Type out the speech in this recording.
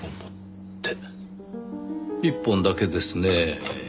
１本だけですねぇ。